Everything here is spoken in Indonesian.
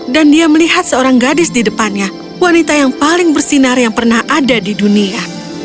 dan dia melihat seorang gadis di depannya wanita yang paling bersinar yang pernah ada di dunia